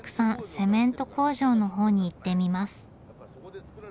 セメント工場の方に行ってみます。